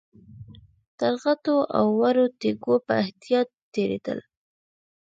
تر غټو او وړو تيږو په احتياط تېرېدل.